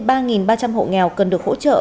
ba ba trăm linh hộ nghèo cần được hỗ trợ